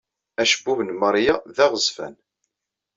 Acebbub n Maria d aɣezzfan.